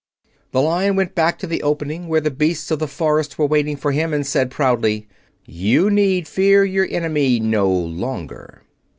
The Lion went back to the opening where the beasts of the forest were waiting for him and said proudly: "You need fear your enemy no longer."